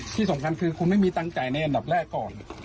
ที่สำคัญคือคุณไม่มีตังค์จ่ายในอันดับแรกก่อน